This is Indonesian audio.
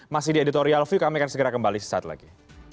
masih di editorial view kami akan segera kembali sesaat lagi